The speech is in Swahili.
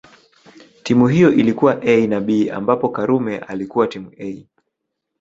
Timu hiyo ilikuwa A na B ambapo Karume alikuwa timu A